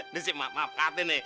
nih sih maaf maaf kak atene